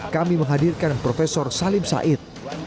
kami menghadirkan prof salim said